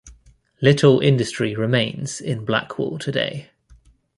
Little industry remains in Blackwall today.